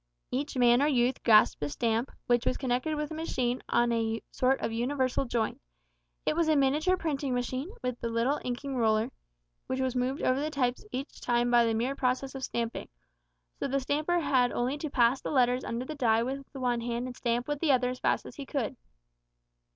Each man or youth grasped a stamp, which was connected with a machine on a sort of universal joint. It was a miniature printing machine, with a little inking roller, which was moved over the types each time by the mere process of stamping, so the stamper had only to pass the letters under the die with the one hand and stamp with the other as fast as he could.